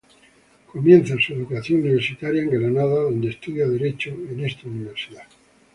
Comienza su educación universitaria en Granada donde estudia derecho en esta Universidad.